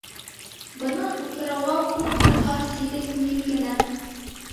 Бынан утрауға күп булһа сирек миль генә.